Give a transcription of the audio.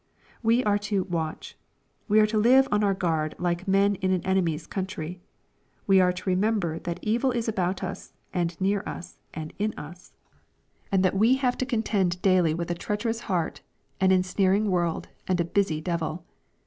We are to " watch." We are to live on our guard like men in an enemy's country. We are to remember that evil is about us, and near us, and in us, — that we 17 386 EXPOSITORY THOUGHTS. havo to contend daily with a treacherous heart, an en Bnaring world, and a busy devil.